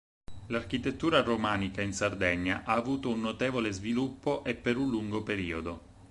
L'architettura romanica in Sardegna ha avuto un notevole sviluppo e per un lungo periodo.